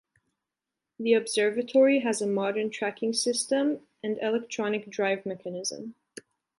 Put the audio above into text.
The observatory has a modern tracking system and electronic drive mechanism.